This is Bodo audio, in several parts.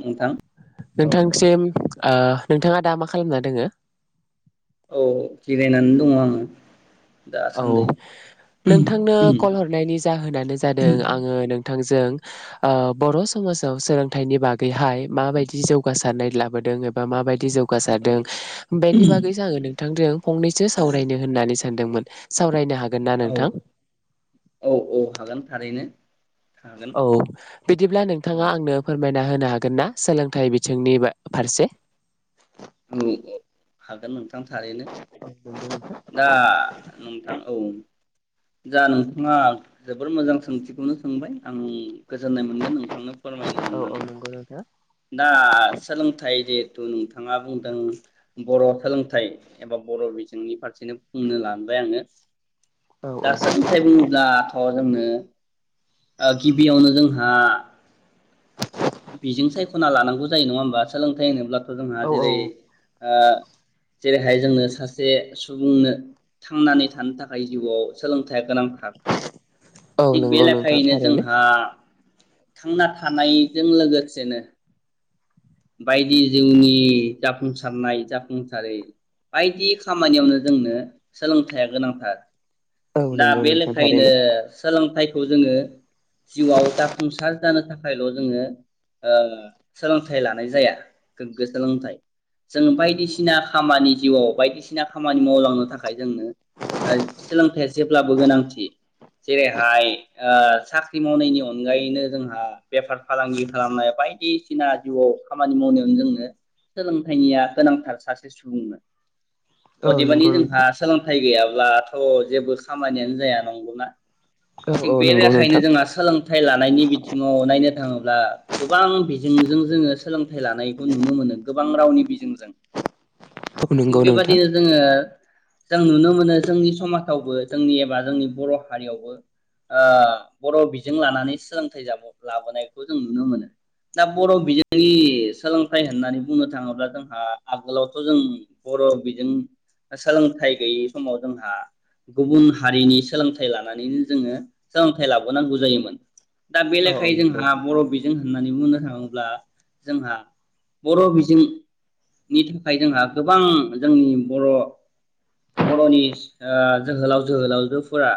नोंथां औ औ नोंथांसिम ओ नोंथाङा दा मा खालामना दोङो औ जिरायनानै दङ आङो औ दासान्दै नोंथांनो कल हरनायनि जाहोनानो जादों आङो नोंथांजों ओ बर' समाजाव सोलोंथाइनि बागैहाय माबायदि जौगासारनाय लाबोदों एबा माबायदि जौ औ बासारदों बेनि बागैसो आङो नोंथांजों फंनैसो सावरायनो होननानै सान सानदोंमोन सावरायनो हागोन ना औ नोंथां? औ औ हागोन थारैनो हागोन औ बिदिब्ला औ नोंथाङा आंनो फोरमाय ना होनो हागोन ना सोलोंथाइ बिथिंनि फारसे औ हागोन नोंथां थारैनो दा नोंथां औ जा नोंथाङा जोबोर मोजां सोंथिखौनो सोंबाय आं गोजोननाय मोनगोन नोंथांनो फोरमायनो औ मोननानै नंगौ नोंथां दा सोलोंथाइ उम बिथाङा बुंदों बर' सोलोंथाइ एबा बर' बिजोंनि फारसेनो बुंनो लांबाय आङो औ औ दा सोलोंथाय बुङोब्लाथ' जों ओ गिबियावनो जोंहा बिजों सायख' खना लानांगौ जायो नङा होमबा सोलोंथाइ होनोब्लाथ जोंहा नंगौ नोंथां औ जेरै औ ओ जेरैहाय जोंनो सासे सुबुंनो थांनानै थानो थाखाय जिउआव सोलोंथाइ गोनां थार औ औ थिग बे नंगौ नोंथां लेखायैनो थारैनो। जोंहा थांना थानायजों लोगोसेनो बायदि जिउनि जाफुंसारनाय जाफुंसारै बायदि खामानियावनो जोंनो सोलोंथाइया गोनांथार औ दा नंगौ बे नोंथां लेखायैनो थारैनो सोलोंथाइ जोङो जिउआव जाफुंसार जानो थाखायल' जोङो ओ सोलों सोलोंथाइ लानाय जाया गोग्गो सोलोंथाइ जों बायदिसिना खामानि जिउआव बायदिसिना खामानि मावलांनो थाखाय जोंनो सोलोंथाइया जेब्लाबो गोनांथि जेरैहाय ओ साख्रि मावनायनि अनगायैनो जोंहा बेफार फालांगि खालामनाय बायदिसिना जिउआव खामानि मावनायावनो जोंनो सोलोंथाइनिया गोनांथार सासे सुबुंनो औ अदेबानि नंगौ जोंहा नोंथां सोलोंथाइ गैयाब्ला जब्लाथ' जेबो खामानियानो जाया नंगौना औ थिग औ बे नंगौ लेखायनो नोंथां जोंहा सोलोंथाइ लानायनि बिथिङाव नायनो थाङोब्ला बा गोबां बिजों नि जों जोङो सोलोंथाइ लानायखौ नुनो मोनो गोबां रावनि बिजोंजों औ थिग नंगौ नोंथां बेबादिनो जोङो जों नुनो मोनो जोंनि समाजावबो जोंनि एबा जोंनि बर' हारियावबो ओ बर' बिजों लानानै सोलोंथाइाब लाबोनायखौ जों नुनो मोनो दा बर' बिजोंनि सोलोंथाइ होननानै बुंनो थाङोब्ला जोंहा आगोलावथ' जों बर' बिजों सोलोंथाइ गैयै समाव जोंहा गुबुन हारिनि सोलोंथाइ लानानैनो जोङो सोलोंथाइ लाबोनांगौ जायोमोन दा बे औ औ लेखायै नंगौ जोंहा बर' जों होननानै बुंनो थाङो ब्ला जोंहा बर' बिजोंनि थाखाय जोंहा गोबां जोंनि बर' बर'नि ओ जोहोलाव जोहोलावजोफोरा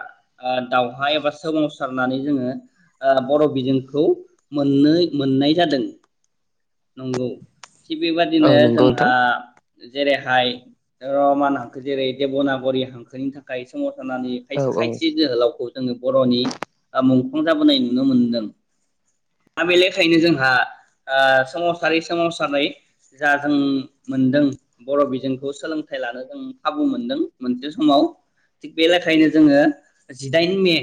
आ दावहा एबा सोमावसारनानै जोङो बर' बिजोंखौ मोननो मोननाय जादों नंगौ थिग औ बेबायदिनो नंगौ नोंथां जोंहा जेरैहाय रमान हांखो जेरै देब'नागरि हांखोनि थाखाय सोमाव जानि औ खायसे औ खायसे जोहोलावखौ जोङो बर'नि मुं जाबोनाय नुनो मोनदों दा बेलेखायनो जोंहा सोमावसारै सोमावसारै जा जों मोनदों बर' बिजोंखौ सोलोंथाइ लानो जों खाबु मोनदों मोनसे समाव थिग बे लेखायनो जोङो जिदाइन मे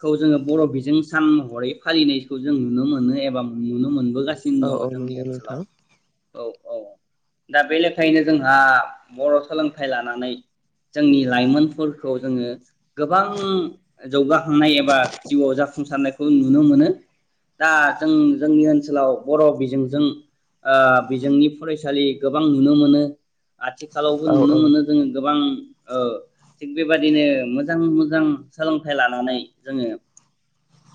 खौ जोङो बर' बिजों सान महरै फालिनायखौ जों नुनो मोनो एबा नुनो मोनबोगासिनो [unintelligible] दङ औ औ जोंनि नंगौ नोंथां ओनसोलाव औ औ दा बे लेखायैनो जोंहा बर' सोलोंथाइ लानानै जोंनि लाइमोनफोरखौ जोङो गोबां जौगाखांनाय एबा जिउआव जाफुंसारनायखौ नुनो मोनो दा जों जोंनि ओनसोलाव बर' बिजोंजों ओ बिजोंनि फरायसालि गोबां नुनो मोनो आथिखालावबो औ नुनो औ मोनो जोङो गोबां ओ थिग बेबादिनो मोजां मोजां सोलोंथाइ लानानै जोङो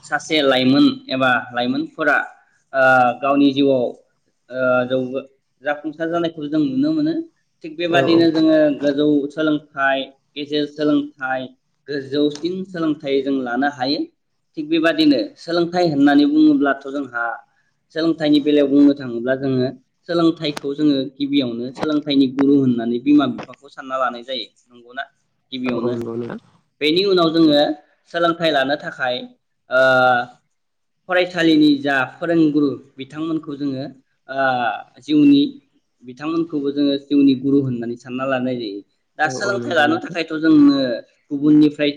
सासे लाइमोन एबा लाइमोनफोरा ओ गावनि जिउआव ओ जौ जाफुंसार जानायखौ जों नुनो मोनो थिग औ बेबादिनो जोङो गोजौ सोलोंथाइ गेजेर सोलोंथाइ गोजौसिन सोलोंथाइ जों लानो हायो थिग बेबादिनो सोलोंथाइ होननानै बुङोब्लाथ' जोंहा सोलोंथाइनि बेलायाव बुंनो थाङोब्ला जोङो सोलोंथाइखौ जोङो गिबियावनो सोलोंथाइनि गुरु होननानै बिमा बिफाखौ सानना लानाय जायो नंगौना औ औ गिबियावनो नंगौ नोंथां बेनि उनाव जोङो सोलोंथाइ लानो थाखाय ओ फरायसालिनि जा फोरोंगुरु बिथांमोनखौ जोङो ओ जिउनि बिथांमोनखौबो जोङो जिउनि गुरु होननानै सानना लानाय जायो दा औ औ सोलोंथाइ नंगौ लानो थाखायथ' जोङो गुबुननिफ्राय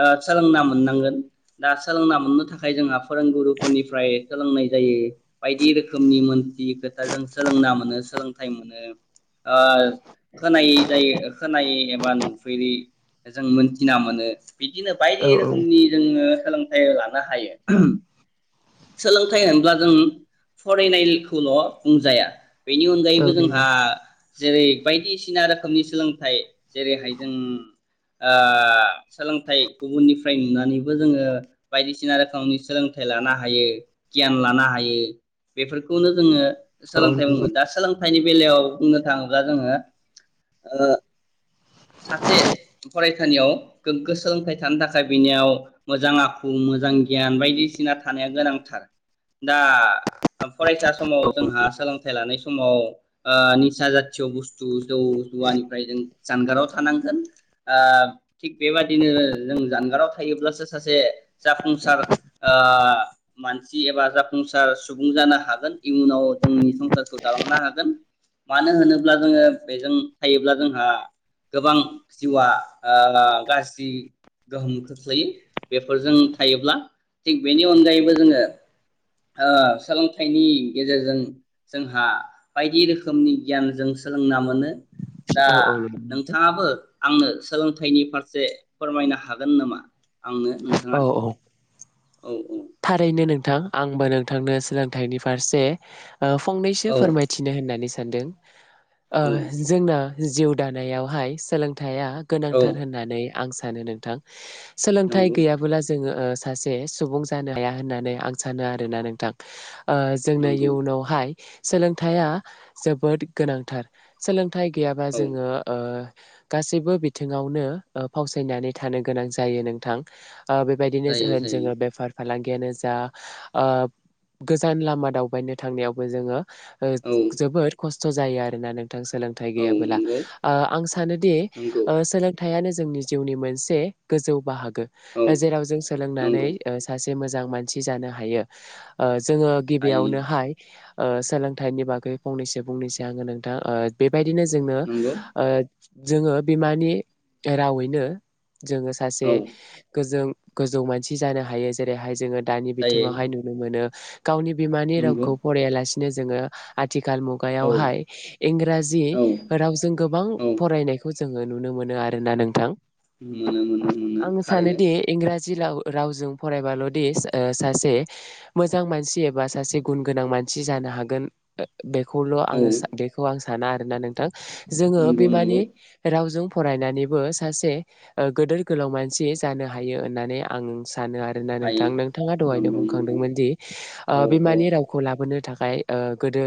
ओ सोलोंना मोननांगोन दा सोलोंना मोननो थाखाय जोंहा फोरोंगुरुफोरनिफ्राय सोलोंनाय जायो बायदि रोखोमनि मोनथि खोथा जों सोलोंना मोनो सोलोंथाइ मोनो ओ खोनायै जायो खोनायै एबा नुफेरै जों मोनथिना मोनो बिदिनो बायदि नोंथां औ औ रोखोमनि जोङो सोलोंथाइ लानो हायो सोलोंथाइ होनब्ला जों फरायनायखौल' बुंजाया बेनि अनगायैबो औ जोंहा नंगौ जेरै बायदिसिना रोखोमनि सोलोंथाइ जेरैहाय जों ओ सोलोंथाइ गुबुननिफ्राय नुनानैबो जोङो बायदिसिना रोखोमनि सोलोंथाइ लानो हायो गियान लानो हायो बेफोरखौनो जोङो औ सोलोंथाइ बुङो नंगौ दा सोलोंथाइनि बेलायाव बुंनो थाङोब्ला जोङो ओ सासे फरायसालियाव गोग्गो सोलोंथाइ थानो थाखाय बेनियाव मोजां आखु मोजां गियान बायदिसिना थानाया गोनांथार दा फरायसा समाव जोंहा सोलोंथाइ लानाय समाव ओ निसा जाथिय बुस्थु जौ जुवानिफ्राय जों जानगाराव थानांगोन ओ थिग बेबादिनो जों जानगाराव थायोब्लासो सासे जाफुंसार ओ मानसि एबा जाफुंसार सुबुं जानो हागोन इयुनाव जोंनि संसारखौ दालांनो हागोन मानो होनोब्ला जोङो बेजों थायोब्ला जोंहा गोबां जिउआ गाज्रि गोहोम खोख्लैयो बेफोरजों थायोब्ला थिग बेनि अनगायैबो जोङो ओ सोलोंथाइनि गेजेरजों जोंहा बायदि रोखोमनि गियान जों सोलोंना मोनो दा औ नोंथाङाबो आंनो सोलों थाइनि फारसे फोरमायनो हागोन नामा आंनो नोंथाङा औ औ औ औ थारैनो नोंथां आंबो नोंथांनो सोलोंथाइनि फारसे ओ फंनैसो औ फोरमायथिनो होननानै सानदों ओ औ जोंना जिउ दानायावहाय सोलों थाइया औ गोनांथार होननानै आं सानो नोंथां सोलोंथाइ नंगौ गैयाबोला जोङो ओ सासे सुबुं जानो हाया होननानै आं सानो आरोना नोंथां ओ जोंनो नंगौ इयुनावहाय सोलोंथाइया जोबोद गोनांथार सोलों थाइ गैयाबा औ जोङो ओ गासैबो बिथिङावनो ओ फावसायनानै थानो गोनां जायो नोंथां ओ बेबायदिनो जायो होन जायो जोङो बेफार फालांगियानो जा ओ गोजान लामा दावबायनो थांनायावबो जोङो ओ औ जोबोद खस्थ' थ' जायो आरोना नों थां सोलोंथाइ औ गैयाबोला नंगौ ओ आं सानोदि नंगौ ओ सोलोंथाइ आनो जोंनि जिउनि मोनसे गोजौ बाहाग औ गो जेराव जों सोलोंनानै नंगौ ओ मोजां मानसि जानो हायो ओ जोङो हायो गिबियावनोहाय ओ सोलोंथाइनि बागै फंनैसो फंनैसो आङो नोंथां ओ बे बेबायदिनो जोंनो नंगौ ओ जोङो बिमानि रावैनो जोङो सासे औ गोजों गोजौ मानसि जानो हायो जेरैहाय जोङो दानि जायो बिथिङावहाय नुनो मोनो गावनि बिमानि नंगौ रावखौ फरायालासे जे जोङो आ आथिखाल औ मुगायावहाय इंराजि औ रावजों गोबां औ फरायनायखौ जोङो नुनो मोनो आरोना नोंथां मोनो मोनो मोनो थारैनो जि राव रावजों फरायबाल'दि ओ सासे मोजां मानसि एबा सासे गुन गोनां मानसि जानो हागोन ओ बे औ खौल'आङो सा बेखौ आं सा साना आरो ना नोंथां जोङो नंगौ बिमानि नंगौ रावजों फरायनानैबो सासे ओ गोदोर गोलाव मानसि जानो हायो होननानै आं [unintelligible] सानो आरो ना हायो नोंथां नोंथाङा दहायनो नंगौ नंगौ बुंखांदोंमोन दि ओ औ बिमानि औ रावखौ लाबोनो थाखा हाय ओ गोदो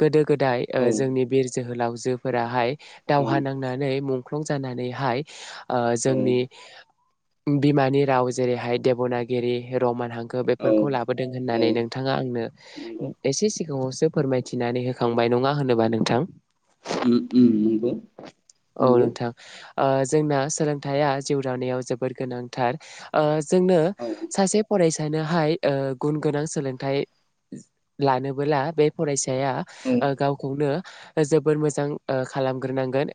गोदो गोदाय औ ओ जोंनि बिर जोहोलाव जो फोराहाय औ दावहा नांनानै मुं ख्लं जानानैहाय ओ जोंनि औ बिमानि राव जेरैहाय देबनागिरि रमान हां औ बेफोरखौ लाबोदों औ होननानै नोंथाङा आंनो नंगौ इसे सिगाङाव फोरमायथिनानै होखांबाय नङा होनोबा नोंथां उम उम नंगौ औ नंगौ नोंथां ओ जोंना सोलोंथाइया जिउ दानायाव जोबोर गोनांथार जोंनो औ सासे फरायसा नोहाय ओ गुन गोनां सोलोंथाइ लानोबोला बे फरायसा या औ गावखौनो जोबोर मोजां खालामग्रोनांगोन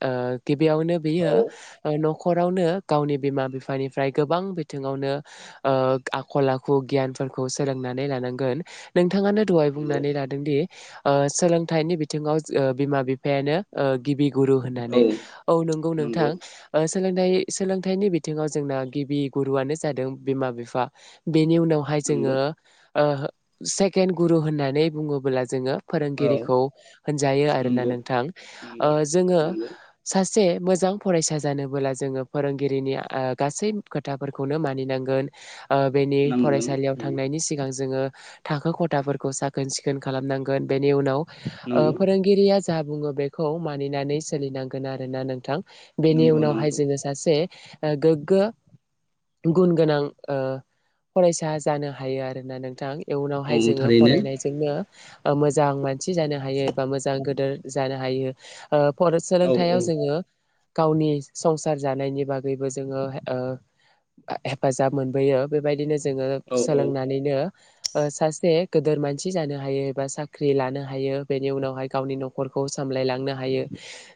बेयावनो बेयो औ नख नखरावनो गावनि बिमा बिफानिफ्राय गोबां बिथिङावनो ओ आखल आखु गियानफोरखौ सोलोंनानै लानांगोन नों थाङानो दहाय नंगौ बुंनानै लादोंदि ओ सोलोंथाइनि बिथिङाव बिमा बिफायानो गिबि गुरु होननानै औ औ नोंगौ नोंथां नंगौ सोलोंथाइ सोलोंथाइनि बिथिङाव जोंना गिबि गुरुयानो जादों बिमा बिफा बेनि उनावहाय जोङो नंगौ ओ सेकेणड गुरु होननानै बुङोबोला जोङो औ फोरोंगिरिखौ होनजायो आरो ना नंगौ नोंथां नंगौ जोङो नंगौ सा जसे मोजां फरायसा जानोबोला जोङो फोरोंगिरिनि गासै खोथाफोरखौनो मानिनां गोन ओ बेनि नांगोन फरायसालियाव उम थांनायनि सिगां जोङो थाखो खथाफोरखौ साखोन सिखोन खालामनांगोन बेनि उनाव ओ नंगौ फोरोंगिरिया जा बुङो बेखौ मानिनानै सोलिनांगोन आरोना नोंथां बेनि नंगौ उनावहाय नंगौ जोङो सासे ओ गोग्गो गुन गोनां ओ फरायसा जानो हायो आरोना नोंथां औ इयुनावहाय जोङो थारैनो फरायनायजोंनो ओ मोजां मानसि जानो हायो एबा मोजां गोदोर जानो हायो ओ फराय औ सोलोंथायाव औ जोङो गावनि संसार जानायनि बागैबो जोङो ओ हेफाजाब मोनबोयो बेबायदिनो जोङो औ औ सोलोंनानैनो ओ सासे गोदोर मानसि जानो हायो एबा साख्रि लानो हायो बेनि उनावहाय गावनि न'खरखौ सामलायलांनो हायो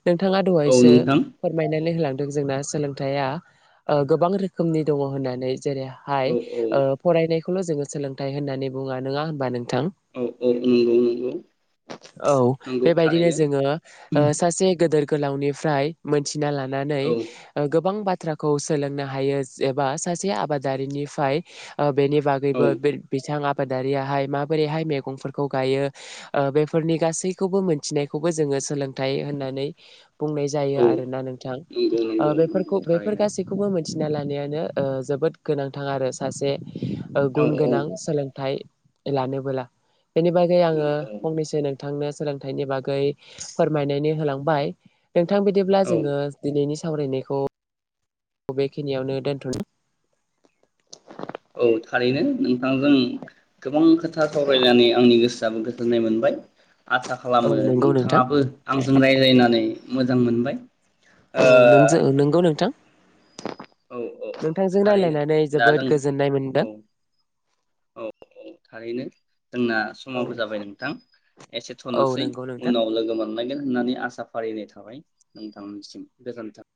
नोंथाङा औ दहायसो नोंथां फोरमायनानै होलां दों जोंना सोलोंथाइया ओ गोबां रोखोमनि दङ होनना जेरैहाय औ औ ओ फरायनाय खौल जोङो सोलोंथाइ होननानै बुङा नङा होनबा नों थां औ औ नंगौ नंगौ औ नंगौ बेबायदिनो थारैनो जोङो ओ उम सासे गोदोर गोलावनिफ्राय मोनसे लानानै औ ओ गोबां बा थ्राखौ सोलोंनो हायो एबा सासे आबादारिनिफ्राय ओ बेनि औ बागैबो बे बिथाङा आबादारियाहाय माबोरैहाय मैगंफोरखौ गायो ओ बेफोरनि गासैखौबो मोनथिनायखौबो जोङो सोलोंथाइ होननानै बुंनाय जायो औ आरोना नोंथां नंगौ ओ नंगौ नंगौ बेफोरखौ बेफोर थारैनो गासैखौबो मिथिना लानायानो ओ जोबोद गोनांथार आरो ओ सासे ओ गुन औ औ गोनां सोलोंथाइ लानोबोला बेनि बागै आङो औ फंनैसो नों थांनो सोलोंथाइनि बागै फोरमायनानै होलांबाय नोंथां बिदिब्ला जोङो दिनैनि सावरायनायखौ बेखिनियावनो दोनथ'नो औ थारैनो नोंथांजों गोबां खोथा सावरायनानै आंनि गोसोआबो गो जोननाय मोनबाय आसा औ खालामो नंगौ नोंथां नोंथाङाबो आंजों रायलायनानै मोजां मोनबाय ओ औ नोंजों नंगौ नोंथां औ औ औ नोंथांजों थारैनो रायज्लायनानै दा जोबोद जों गोजोननाय मोनदों औ औ औ थारैनो जोंना समाबो औ जाबाय नोंथां एसे औ थ'नोसै नंगौ नोंथां उनाव लोगो मोनलांगोन होननानै आसा फारिनाय था थाबाय नोंथांनिसिम गोजोन्थों